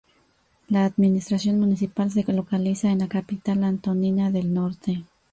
La administración municipal se localiza en la capital, Antonina del Norte.